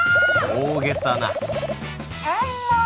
大げさな甘！